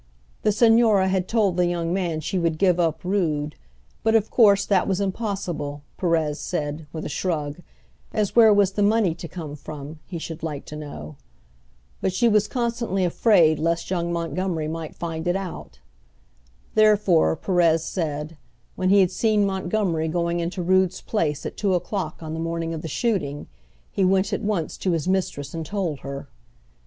The Señora had told the young man she would give up Rood; but of course that was impossible, Perez said, with a shrug, as where was the money to come from he should like to know? But she was constantly afraid lest young Montgomery might find it out. Therefore, Perez said, when he had seen Montgomery going into Rood's place at two o'clock on the morning of the shooting he went at once to his mistress and told her.